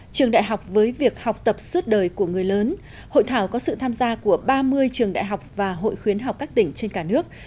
trường đại học với việc học tập suốt đời của người lớn hội thảo có sự tham gia của ba mươi trường đại học và hội khuyến học các tỉnh trên cả nước